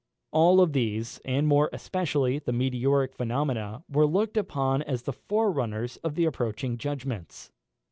All these, and more especially the meteoric phenomena, were looked upon as the forerunners of the approaching judgments.